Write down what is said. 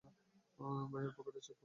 ভাই, ওর পকেটও চেক করো একবার।